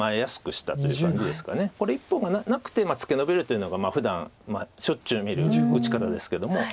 これ１本がなくてツケノビるというのがふだんしょっちゅう見る打ち方ですけども。